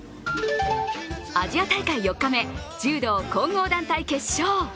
アジア大会４日目、柔道・混合団体決勝。